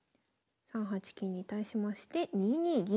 ３八金に対しまして２二銀。